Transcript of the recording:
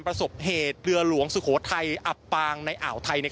ประสบเหตุเรือหลวงสุโขทัยอับปางในอ่าวไทยใน